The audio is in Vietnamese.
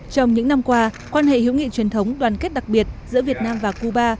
trong những năm qua quan hệ hữu nghị truyền thống đoàn kết đặc biệt giữa việt nam và cuba